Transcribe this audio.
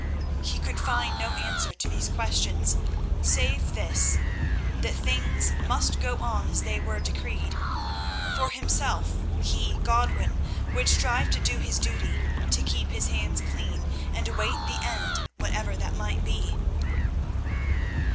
He could find no answer to these questions, save this—that things must go on as they were decreed. For himself, he, Godwin, would strive to do his duty, to keep his hands clean, and await the end, whatever that might be.